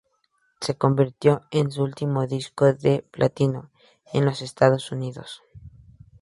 Se convirtió en su último disco de Platino en los Estados Unidos.